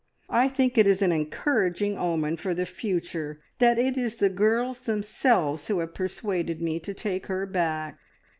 I think it is an encouraging omen for the future that it is the girls themselves who have persuaded me to take her back."